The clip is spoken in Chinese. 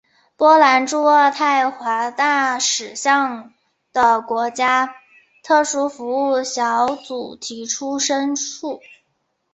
波兰驻渥太华大使向的国家特殊服务小组提出申诉。